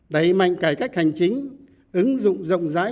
đẩy mạnh cải cách hành chính ứng dụng rộng rãi